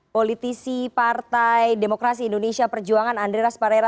politisi partai demokrasi indonesia perjuangan andre rasparera